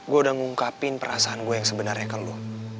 gue udah ngungkapin perasaan gue yang sebenarnya ke lo